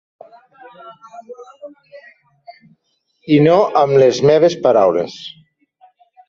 I no amb les meves paraules.